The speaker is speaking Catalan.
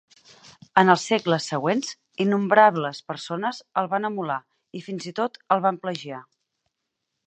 En els segles següents, innombrables persones el van emular i, fins i tot, el van plagiar.